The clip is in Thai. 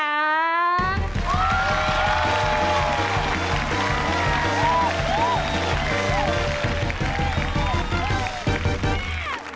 ไปครับ